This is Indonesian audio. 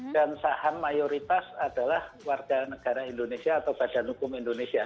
dan saham mayoritas adalah warga negara indonesia atau badan hukum indonesia